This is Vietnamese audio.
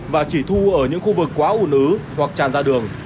và chỉ thu ở những khu vực quá ủn ứ hoặc tràn ra đường